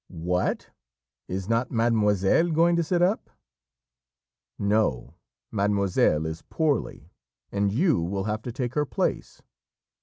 'What! is not mademoiselle going to sit up?' 'No, mademoiselle is poorly, and you will have to take her place.'